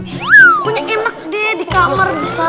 punya enak deh di kamar bisa